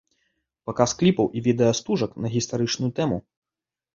Паказ кліпаў і відэастужак на гістарычную тэму.